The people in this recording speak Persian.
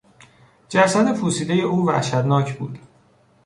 جسد پوسیدهی او وحشتناک بود.